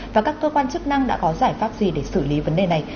và các cơ quan chức năng đã có giải pháp gì để xử lý vấn đề này